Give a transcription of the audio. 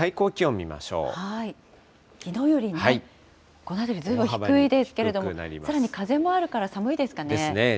きのうより、この辺りずいぶん低いですけれども、さらに風もあるから寒いですですね。